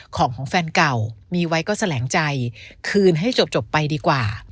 ของของแฟนเก่ามีไว้ก็แสลงใจคืนให้จบไปดีกว่า